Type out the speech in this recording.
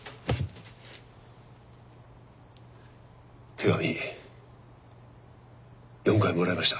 手紙４回もらいました。